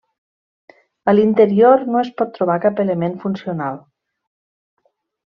A l'interior no es pot trobar cap element funcional.